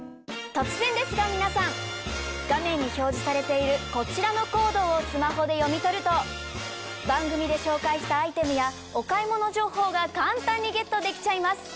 突然ですが皆さん画面に表示されているこちらのコードをスマホで読み取ると番組で紹介したアイテムやお買い物情報が簡単にゲットできちゃいます！